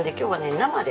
生で。